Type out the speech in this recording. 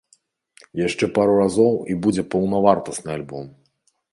Яшчэ пару разоў і будзе паўнавартасны альбом!